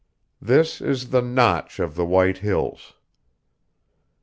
This is the Notch of the White Hills.